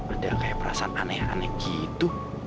ada kayak perasaan aneh aneh gitu